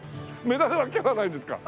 メダルは今日はないですか？